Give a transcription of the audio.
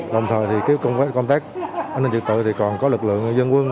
đồng thời thì cái công tác an ninh dự tự thì còn có lực lượng dân quân